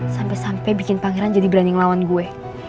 sampai sampai bikin pangeran jadi berani ngelawan gue